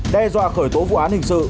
đe dọa khởi tố vụ án hình sự